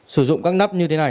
sử dụng các nắp như thế này